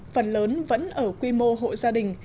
phần lớn vẫn ở quy mô hội gia đình